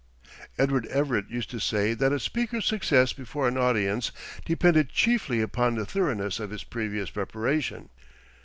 Edward Everett used to say that a speaker's success before an audience depended chiefly upon the thoroughness of his previous preparation.